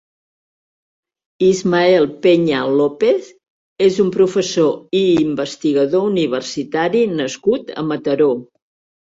Ismael Peña-López és un professor i investigador universitari nascut a Mataró.